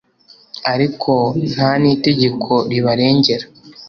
ariko nta n’itegeko ribarengera